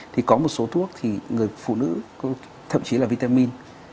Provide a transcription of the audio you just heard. thì có một số thuốc thì người phụ nữ thậm chí là vitamin